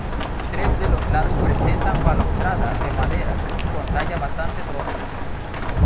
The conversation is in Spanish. Tres de los lados presentan balaustrada de madera con talla bastante tosca.